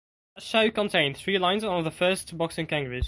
The show contained three lions and one of the first boxing kangaroos.